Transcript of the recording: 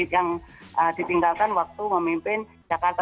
yang ditinggalkan waktu memimpin jakarta